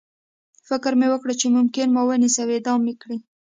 فکر مې وکړ چې ممکن ما ونیسي او اعدام مې کړي